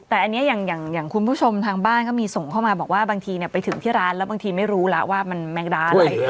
แต่อันนี้อย่างคุณผู้ชมทางบ้านก็มีส่งเข้ามาบอกว่าบางทีไปถึงที่ร้านแล้วบางทีไม่รู้แล้วว่ามันแมงดาอะไร